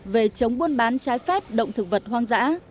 về chống buôn bán trái phép động thực vật hoang dã